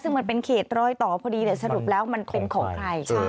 ซึ่งมันเป็นเขตรอยต่อพอดีแต่สรุปแล้วมันเป็นของใคร